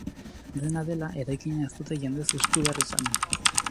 Dena dela, eraikina ez dute jendez hustu behar izan.